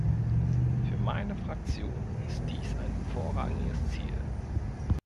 Für meine Fraktion ist dies ein vorrangiges Ziel.